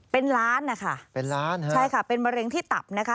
เป็นร้านนะคะใช่ค่ะเป็นมะเร็งที่ตับนะคะ